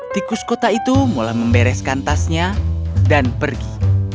tikus kota itu mulai membereskan tasnya dan pergi